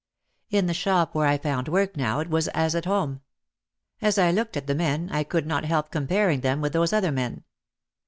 In the shop where I found work now it was as at home. As I looked at the men I could not help compar ing them with those other men.